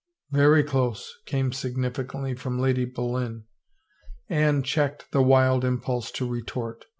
..." Very close," came significantly from Lady Boleyn. Anne checked the wild impulse to retort.